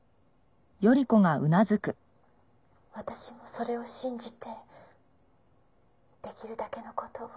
私もそれを信じてできるだけの事を。